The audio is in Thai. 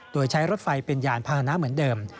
โดยใช้รถไฟเป็นยานพาหนะเหมือนเดิม